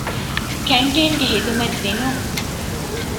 ކެންޓީންގެ ހިދުމަތް ދިނުން